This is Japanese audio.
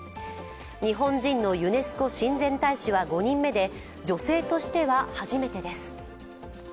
日本人のユネスコ親善大使は５人目で女性としては初めてです。